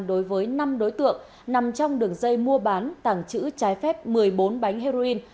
đối với năm đối tượng nằm trong đường dây mua bán tàng trữ trái phép một mươi bốn bánh heroin